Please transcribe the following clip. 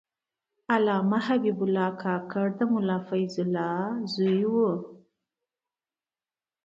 علامه حبیب الله کاکړ د ملا فیض الله زوی و.